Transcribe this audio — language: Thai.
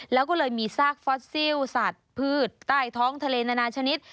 แล้วก็เลยมีซากฟอสซิลสัตว์พืชใต้ท้องทะเลนานาชนิด